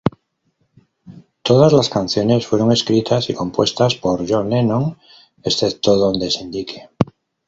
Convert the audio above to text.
Todas las canciones fueron escritas y compuestas por John Lennon, excepto donde se indique.